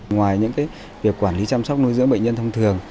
ngoài những việc quản lý chăm sóc nuôi dưỡng bệnh nhân thông thường